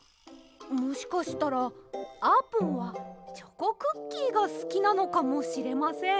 もしかしたらあーぷんはチョコクッキーがすきなのかもしれません。